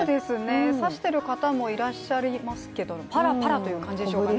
差している方もいらっしゃりますけどパラパラという感じですね。